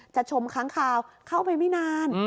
ชมค้างคาวเข้าไปไม่นาน